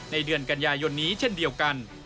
เดือนกันยายนนี้เช่นเดียวกัน